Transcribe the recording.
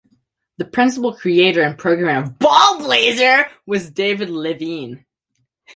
The principal creator and programmer of "Ballblazer" was David Levine.